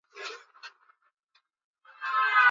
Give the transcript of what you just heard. duniani kote wameathirika na wanahitaji huduma za matibabu